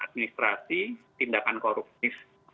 administrasi tindakan korupsif